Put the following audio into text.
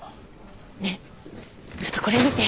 ねえちょっとこれ見て。